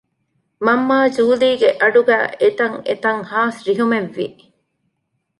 މަންމާ ޖޫލީގެ އަޑުގައި އެތަށްއެތަށް ހާސް ރިހުމެއްވި